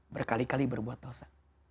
berkali kali berbuat dosa